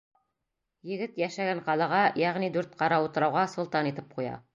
Егет йәшәгән ҡалаға, йәғни дүрт ҡара утрауға солтан итеп ҡуя.